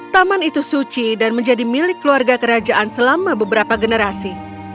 taman itu suci dan menjadi milik keluarga kerajaan selama beberapa generasi